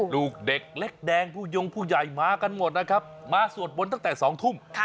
ลูกเด็กเล็กแดงผู้ยงผู้ใหญ่มากันหมดนะครับมาสวดบนตั้งแต่๒ทุ่ม